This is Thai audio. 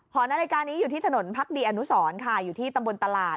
หอนาฬิกานี้อยู่ที่ถนนพักดีอนุสรค่ะอยู่ที่ตำบลตลาด